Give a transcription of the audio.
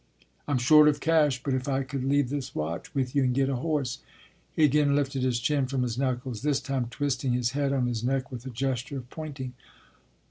" I m short of cash, but if I could leave this watch with you and get a horse " He again lifted his chin from his knuckles, this time twisting his head on his neck with a gesture of pointing.